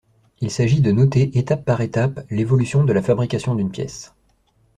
Il s'agit de noter étape par étape l'évolution de la fabrication d'une pièce.